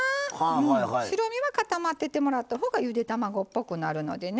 白身は固まっててもらったほうがゆで卵っぽくなるのでね。